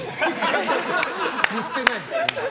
言ってないです。